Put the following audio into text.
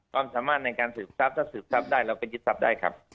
ความสามารถในการสืบทรัพย์ถ้าสืบทรัพย์ได้เราก็ยึดทรัพย์ได้ครับ